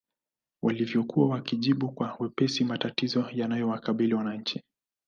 Walivyokuwa wakijibu kwa wepesi matatizo yanayowakabili wananchi